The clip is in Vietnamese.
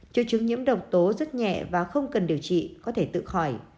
triệu chứng nhiễm độc tố rất nhẹ và không cần điều trị có thể tự khỏi